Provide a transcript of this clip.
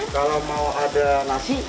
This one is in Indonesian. kalau mau ada nasi